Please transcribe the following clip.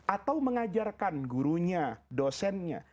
atau mengajarkan gurunya dosennya